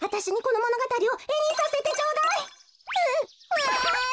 わい！